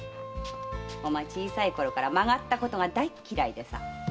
お前小さいころからまがったことが大っ嫌いでさ。